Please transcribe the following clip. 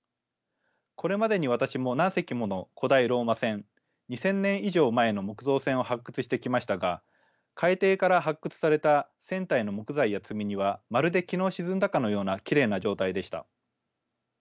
これまでに私も何隻もの古代ローマ船２，０００年以上前の木造船を発掘してきましたが海底から発掘された船体の木材や積み荷はまるで昨日沈んだかのようなきれいな状態でした。